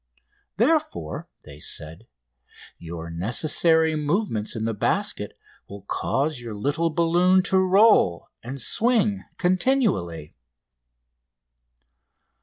Therefore, they said, your necessary movements in the basket will cause your little balloon to roll and swing continually.